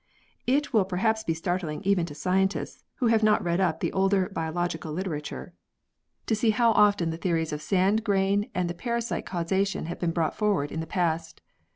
It will perhaps be startling even to scientists, who have not read up the older biological literature, to 94 PEARLS [CH. see how often the theories of sand grain and the parasite causation have been brought forward in the past.